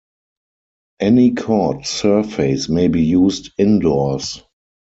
Any court surface may be used indoors.